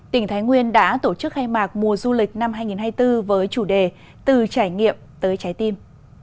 tỉnh thái nguyên đã tổ chức khai mạc mùa du lịch năm hai nghìn hai mươi bốn với chủ đề từ trải nghiệm tới trái tim